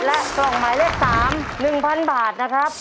และกล่องหมายเลขสามหนึ่งพันบาทนะครับ